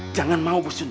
jangan mau bu jun